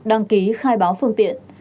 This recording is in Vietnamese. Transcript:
đăng ký khai báo phương tiện